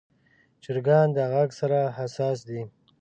چرګان د غږ سره حساس دي.